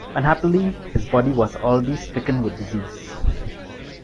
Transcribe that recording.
Unhappily, his body was already stricken with disease.